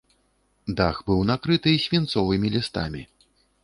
Дах быў накрыты свінцовымі лістамі.